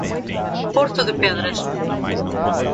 Porto de Pedras